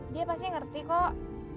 dia pasti ngerti kok